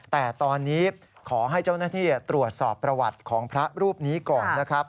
แต่ตอนนี้ขอให้เจ้าหน้าที่ตรวจสอบประวัติของพระรูปนี้ก่อนนะครับ